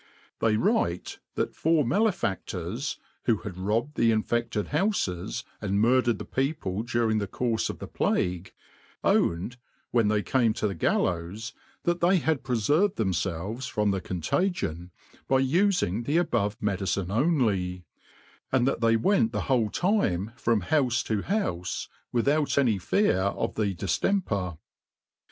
They write, that four malefadors (who had robbed the infefted houfcs, and mur dered the people during the courfe of tfie plague) owned, when they came to the gallows, that they had preferved' them (elver from the contagion by ufing the above medicine only ; and that they went the whole time from houfe to houfe without any fear of the diftemper.